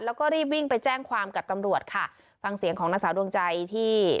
แล้วก็รีบวิ่งไปแจ้งความกับตำรวจค่ะฟังเสียงของนางสาวดวงใจที่